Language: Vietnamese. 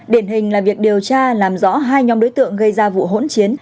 điển hình là việc điều tra làm rõ hai nhóm đối tượng gây ra vụ hỗn chiến